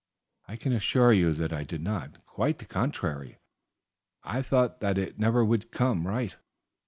"I can assure you that I did not; quite the contrary, I thought that it never would come right.